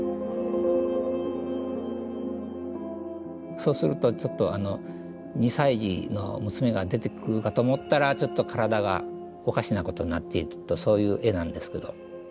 そうするとちょっと２歳児の娘が出てくるかと思ったらちょっと体がおかしなことになっているとそういう絵なんですけど。